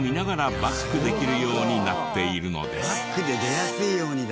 バックで出やすいようにだ。